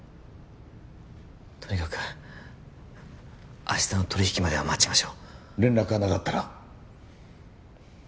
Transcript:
とにかく明日の取引までは待ちましょう連絡がなかったら？